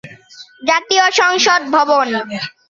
জাতীয় সংসদ ভবন